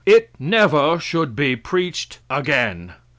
It never should be preached again."